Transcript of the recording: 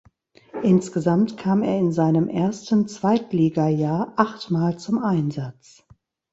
Insgesamt kam er in seinem ersten Zweitligajahr achtmal zum Einsatz.